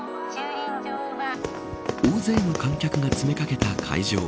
大勢の観客が詰め掛けた会場。